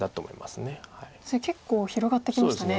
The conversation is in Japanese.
確かに結構広がってきましたね。